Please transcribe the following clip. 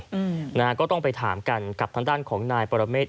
อืมนะฮะก็ต้องไปถามกันกับทางด้านของนายปรเมฆ